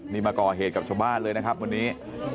นี่มาก่อเหตุกับชาวบ้านเลยนะครับวันนี้